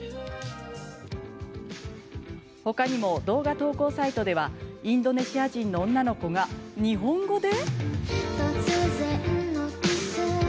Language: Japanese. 他にも動画投稿サイトではインドネシア人の女の子が日本語で。